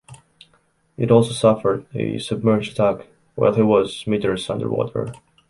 It also suffered a submerged attack while he was meters under water.